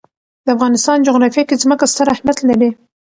د افغانستان جغرافیه کې ځمکه ستر اهمیت لري.